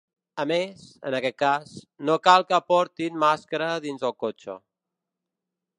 A més, en aquest cas, no cal que portin màscara dins el cotxe.